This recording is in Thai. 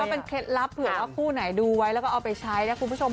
เป็นเคล็ดลับเผื่อว่าคู่ไหนดูไว้แล้วก็เอาไปใช้นะคุณผู้ชม